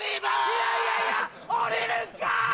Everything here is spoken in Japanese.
いやいやいや降りるんかい！